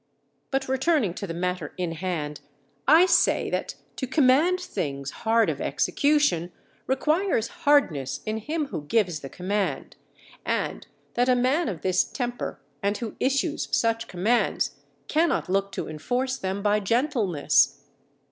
But returning to the matter in hand, I say that to command things hard of execution, requires hardness in him who gives the command, and that a man of this temper and who issues such commands, cannot look to enforce them by gentleness.